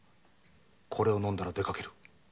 これを飲んだら出かける。